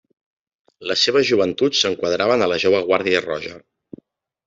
Les seves joventuts s'enquadraven a la Jove Guàrdia Roja.